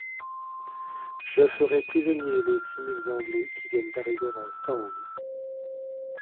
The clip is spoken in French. Je ferai prisonniers les six mille anglais qui viennent d’arriver à Ostende.